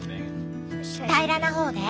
平らな方で？